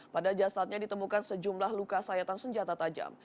pada jasadnya ditemukan sejumlah luka sayatan senjata tajam